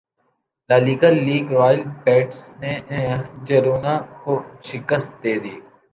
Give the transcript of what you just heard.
La Liga league Real Betis نے Girona کو شکست دیدی